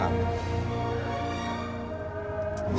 ada yang mau saya tanyakan sama kamu